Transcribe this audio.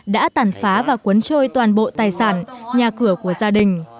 đã tàn phá và cuốn trôi toàn bộ tài sản nhà cửa của gia đình